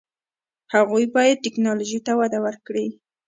هغوی باید ټیکنالوژي ته وده ورکړي.